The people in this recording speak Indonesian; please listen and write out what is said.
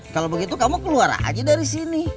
kalau begitu kamu keluar aja dari sini